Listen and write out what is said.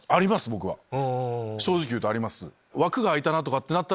僕は正直言うとあります。